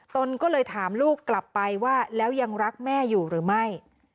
ตนก็เลยถามลูกกลับไปว่าแล้วยังรักแม่อยู่หรือไม่